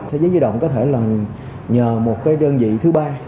thế giới di động có thể là nhờ một cái đơn vị thứ ba